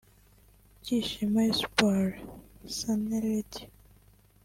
Byishimo Espoir(Sana Radio)